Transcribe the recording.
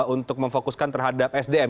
untuk memfokuskan terhadap sdm